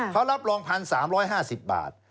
เขารับรอง๑๓๕๐บาท